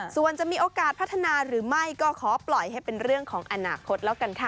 ส่วนจะมีโอกาสพัฒนาหรือไม่ก็ขอปล่อยให้เป็นเรื่องของอนาคตแล้วกันค่ะ